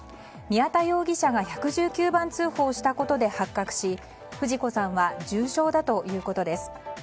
宮田容疑者が１１９番通報したことで発覚し富士子さんは重傷だということです。